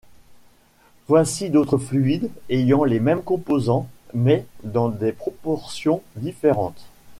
Voici d'autres fluides ayant les mêmes composants mais dans des proportions différentes.